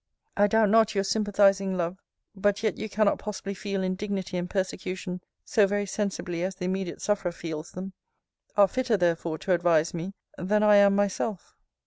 I doubt not your sympathizing love: but yet you cannot possibly feel indignity and persecution so very sensibly as the immediate sufferer feels them are fitter therefore to advise me, than I am myself.